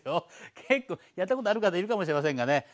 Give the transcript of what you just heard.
結構やったことある方いるかもしれませんがね。